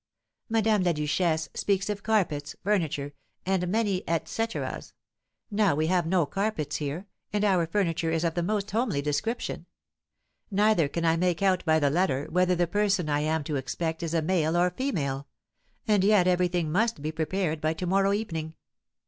"Madame la Duchesse speaks of carpets, furniture, and many et coeteras; now we have no carpets here, and our furniture is of the most homely description. Neither can I make out by the letter whether the person I am to expect is a male or female; and yet every thing must be prepared by to morrow evening.